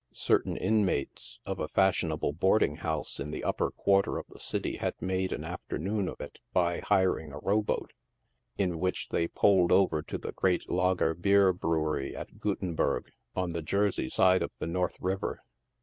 Certain inmates of a fashion able boarding house in the upper quarter of the city had made an afternoon of it by hiring a row boat, in which they pulled over to the great lagerbier brewery at Guttenburg, on the Jersey side of the North River.